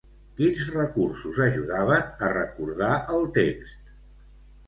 Quins recursos ajudaven a recordar el text?